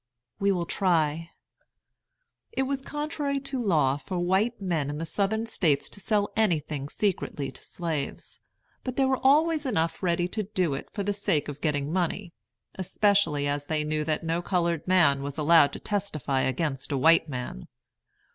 We will try." It was contrary to law for white men in the Southern States to sell anything secretly to slaves; but there were always enough ready to do it for the sake of getting money, especially as they knew that no colored man was allowed to testify against a white man.